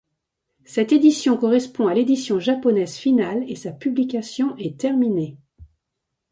Cette édition correspond à l'édition japonaise finale et sa publication est terminée.